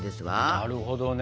なるほどね。